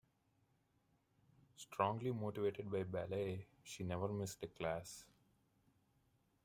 Strongly motivated by ballet, she never missed a class.